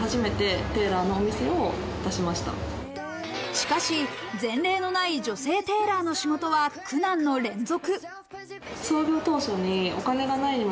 しかし、前例のない女性テーラーの仕事は苦難の連続。